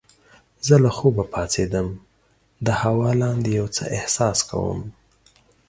زه له خوبه پاڅیدم د هوا لاندې یو څه احساس کوم.